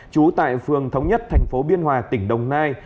trú tại phường thống nhất tp biên hòa tỉnh đồng nai